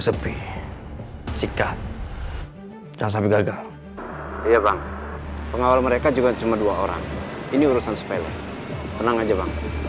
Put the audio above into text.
sepi sikat jangan sampai gagal iya bang pengawal mereka juga cuma dua orang ini urusan sepele tenang aja bang